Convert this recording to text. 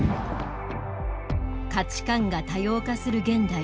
価値観が多様化する現代。